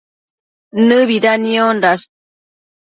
Nëbida niondash